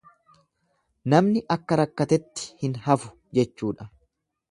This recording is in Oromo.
Namni akka rakkatetti hin hafu jechuudha.